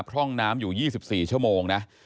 พร่องน้ำอยู่๒๔ชั่วโมงนะ